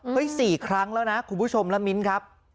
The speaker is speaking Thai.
๔ครั้งแล้วนะคุณผู้ชมละมิ้นครับ